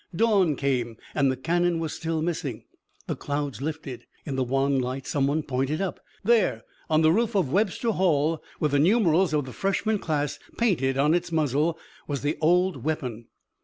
Dawn came, and the cannon was still missing. The clouds lifted. In the wan light some one pointed up. There, on the roof of Webster Hall, with the numerals of the freshman class painted on its muzzle, was the old weapon.